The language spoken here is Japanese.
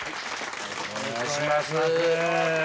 よろしくお願いします。